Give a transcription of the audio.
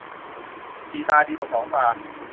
สี่ตาดีกว่าสองตา